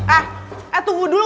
eh eh tunggu dulu